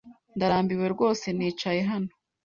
Ndarambiwe rwose nicaye hano.